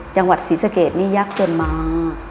จังหวัดศรีสเกตนี่ยากจนมา